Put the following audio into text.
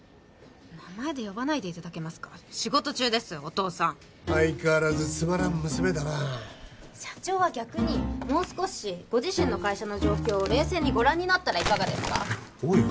名前で呼ばないでいただけますか仕事中ですよお父さん相変わらずつまらん娘だな社長は逆にもう少しご自身の会社の状況を冷静にご覧になったらいかがですかおい